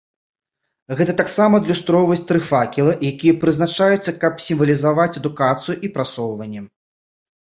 Гэта таксама адлюстроўваюць тры факелы, якія прызначаюцца, каб сімвалізаваць адукацыю і прасоўванне.